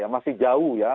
masih jauh ya